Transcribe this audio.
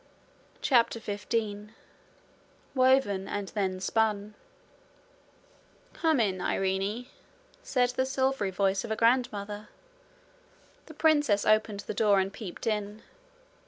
CHAPTER 15 Woven and Then Spun 'Come in, Irene,' said the silvery voice of her grandmother. The princess opened the door and peeped in.